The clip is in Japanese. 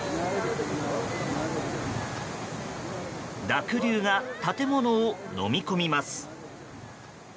濁流が建物をのみ込みます。